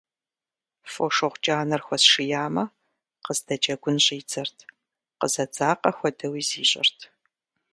Фошыгъу кӀанэр хуэсшиямэ, къыздэджэгун щӀидзэрт, къызэдзакъэ хуэдэуи зищӀырт.